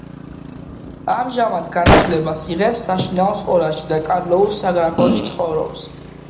ამჟამად განათლებას იღებს საშინაო სკოლაში და კარლოუს საგრაფოში ცხოვრობს.